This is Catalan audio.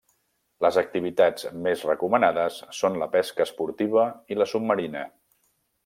Les activitats més recomanades són la pesca esportiva i la submarina.